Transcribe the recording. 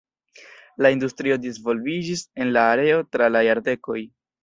La industrio disvolviĝis en la areo tra la jardekoj.